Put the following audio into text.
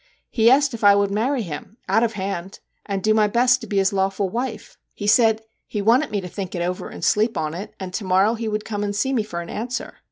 He asked if I would marry him out of hand and do my best to be his lawful wife. He said he wanted me to think it over and sleep on it, and to morrow he would come and see me for an answer.